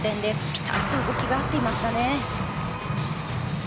ピタッと動きが合っていましたね。